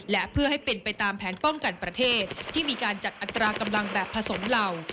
และเพื่อให้เป็นไปตามแผนป้องกันประเทศที่มีการจัดอัตรากำลังแบบผสมเหล่า